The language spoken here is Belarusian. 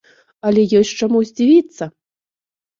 Але ёсць чаму здзівіцца.